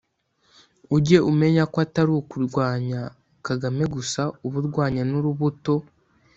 ujye umenya ko utari kurwanya kagame gusa uba urwanya n'urubuto,